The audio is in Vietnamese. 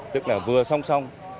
tức là vừa song song